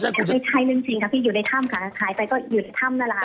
ไม่ใช่เรื่องจริงครับที่อยู่ในท่ำค่ะขายไปก็อยู่ในท่ำนั่นล่ะครับ